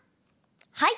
はい。